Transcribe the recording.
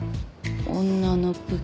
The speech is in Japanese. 女の武器。